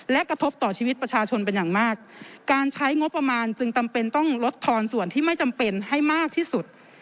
และกระทบต่อชีวิตประชาชนเป็นอย่างมากการใช้งบประมาณจึงจำเป็นต้องลดทอนส่วนที่ไม่จำเป็นให้มากที่สุด